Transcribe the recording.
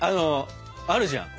あるじゃん？